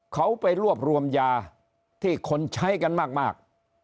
เขาไปรวบรวมยาที่คนใช้กันมาก